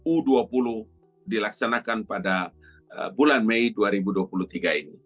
u dua puluh dilaksanakan pada bulan mei dua ribu dua puluh tiga ini